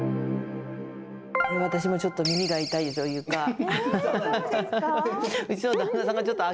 私もちょっと耳が痛いというか。